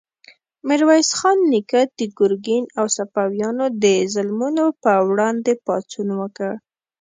میرویس خان نیکه د ګرګین او صفویانو د ظلمونو په وړاندې پاڅون وکړ.